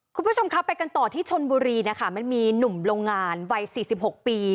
คุณผู้ชมครับไปกันต่อที่ชนบุรีนะคะมันมีหนุ่มโรงงานวัย๔๖ปี